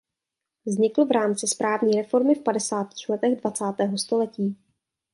Vznikl v rámci správní reformy v padesátých letech dvacátého století.